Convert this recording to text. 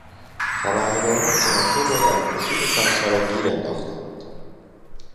خبرنگاران سناتور را در گوشهی سرسرا گیر انداختند.